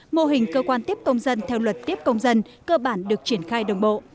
mô hình cơ quan tiếp công dân theo luật tiếp công dân cơ bản được triển khai đồng bộ